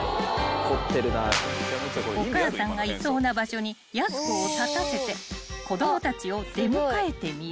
［お母さんがいそうな場所にやす子を立たせて子供たちを出迎えてみる］